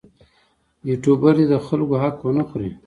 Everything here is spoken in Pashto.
یوټوبر دې د خلکو حق ونه خوري.